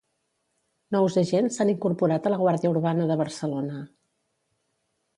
Nous agents s'han incorporat a la Guàrdia Urbana de Barcelona.